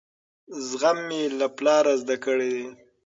زغم مې له پلاره زده کړی دی.